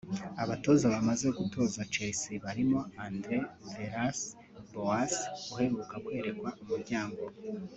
Abatoza bamaze gutoza Chelsea barimo Andre Vilas Boas uheruka kwerekwa umuryango